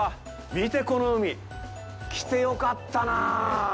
見て、この海！来てよかったなぁ！